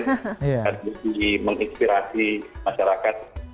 harus di menginspirasi masyarakat